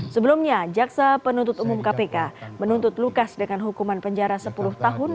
sebelumnya jaksa penuntut umum kpk menuntut lukas dengan hukuman penjara sepuluh tahun